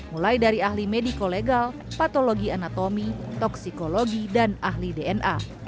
mulai dari ahli mediko legal patologi anatomi toksikologi dan ahli dna